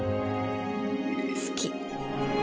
好き。